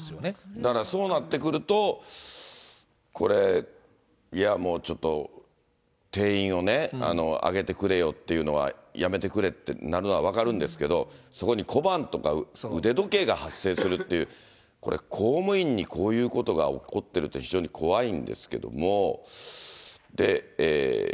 だからそうなってくると、これ、いや、もうちょっと、定員をね、上げてくれよっていうのはやめてくれってなるのは分かるんですけど、そこに小判とか腕時計が発生するっていう、これ、公務員にこういうことが起こってるって、非常に怖いんですけども。